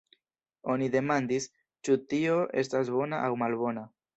Oni demandis: Ĉu tio estas bona aŭ malbona?